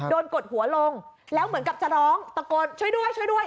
กดหัวลงแล้วเหมือนกับจะร้องตะโกนช่วยด้วยช่วยด้วย